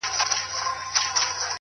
د بدلون منل د ودې پیل دی؛